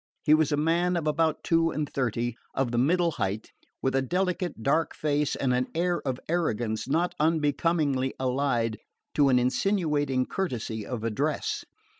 He was a man of about two and thirty, of the middle height, with a delicate dark face and an air of arrogance not unbecomingly allied to an insinuating courtesy of address.